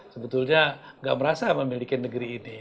sebetulnya gak merasa memiliki negeri ini